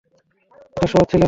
এটা সহজ ছিল।